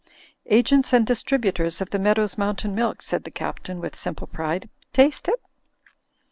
"Agents and Distributors of the Meadows' Moim tain Milk," said the Captain, with simple pride, "taste it?"